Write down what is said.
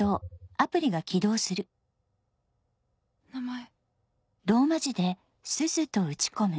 名前。